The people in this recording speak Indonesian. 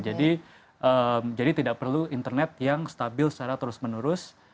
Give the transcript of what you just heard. jadi tidak perlu internet yang stabil secara terus menurus